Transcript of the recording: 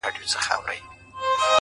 زه به د خال او خط خبري كوم ـ